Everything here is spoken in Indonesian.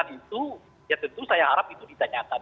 yang saya sebutkan itu ya tentu saya harap itu ditanyakan